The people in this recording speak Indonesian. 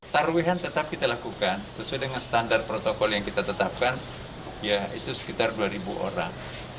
tarwihan tetap kita lakukan sesuai dengan standar protokol yang kita tetapkan ya itu sekitar dua orang